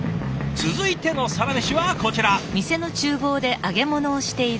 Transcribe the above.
続いてのサラメシはこちら！